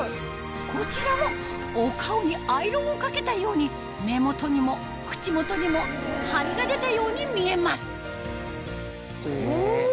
こちらもお顔にアイロンをかけたように目元にも口元にもハリが出たように見えますお。